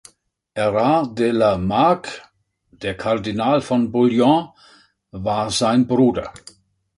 Erard de La Marck, der "Kardinal von Bouillon", war sein Bruder.